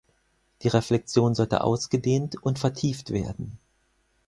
Die Reflexion sollte ausgedehnt und vertieft werden.